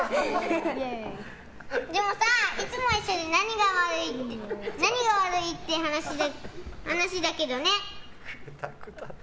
でもさ、いつも一緒で何が悪いって話だけどね。